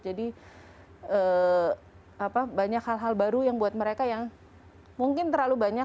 jadi banyak hal hal baru yang buat mereka yang mungkin terlalu banyak